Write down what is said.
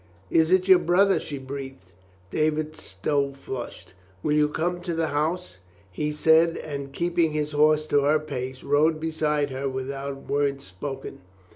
"Is it your brother?" she breathed. David Stow flushed. "Will you come to the house?" he said and keeping his horse to her pace, rode beside her without word spoken.